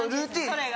それが。